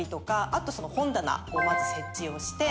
あとその本棚をまず設置をして。